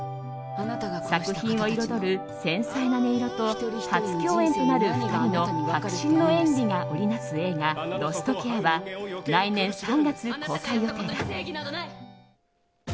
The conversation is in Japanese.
作品を彩る繊細な音色と初共演となる２人の迫真の演技が織り成す映画「ロストケア」は来年３月公開予定だ。